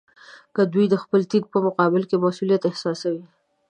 که دوی د خپل دین په مقابل کې مسوولیت احساسوي.